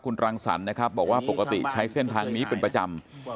คุณรังสรรค์นะครับบอกว่าปกติใช้เส้นทางนี้เป็นประจำ